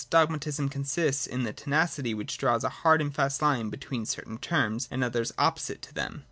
Dogmatism consists in the tenacity which draws a hard and fast hne between cer tain terms and others opposite to them.